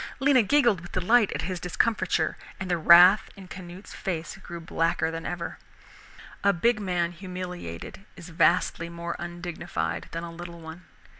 Lena giggled with delight at his discomfiture, and the wrath in Canute's face grew blacker than ever. A big man humiliated is vastly more undignified than a little one.